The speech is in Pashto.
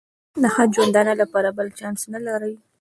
د ښه ژوندانه لپاره بل چانس نه لري.